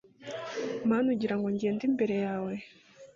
mana ugira ngo ngende imbere yawe